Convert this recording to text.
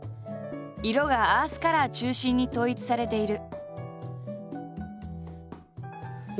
色がアースカラー中心に統一されている。